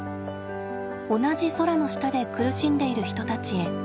同じ空の下で苦しんでいる人たちへ。